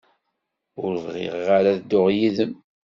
Ur bɣiɣ ara ad dduɣ yid-m.